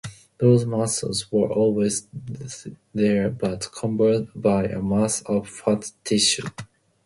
Those muscles were always there but covered by a mass of fat tissue.